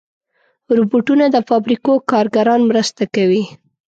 روبوټونه د فابریکو کارګران مرسته کوي.